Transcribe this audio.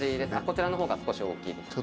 こちらのほうが少し大きいです。